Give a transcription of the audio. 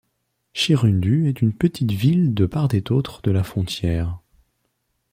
Chirundu est une petite ville de part et d'autre de la frontière.